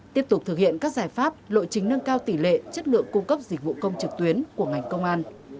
tiếp tục thực hiện các giải pháp lộ chính nâng cao tỷ lệ chất lượng cung cấp dịch vụ công trực tuyến của ngành công an